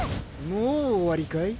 もう終わりかい？